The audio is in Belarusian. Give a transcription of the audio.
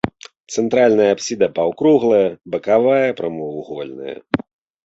Цэнтральная апсіда паўкруглая, бакавая прамавугольная.